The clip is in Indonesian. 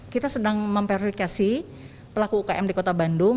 kita sedang memperlikasi pelaku umkm di kota bandung